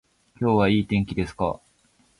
今日はいい天気ですか